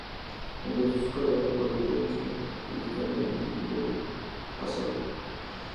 Empezó su carrera política en el ayuntamiento de Hasselt.